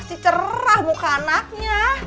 pasti cerah muka anaknya